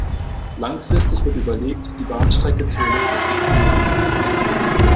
Langfristig wird überlegt, die Bahnstrecke zu elektrifizieren.